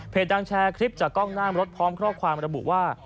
ดังแชร์คลิปจากกล้องหน้ารถพร้อมข้อความระบุว่า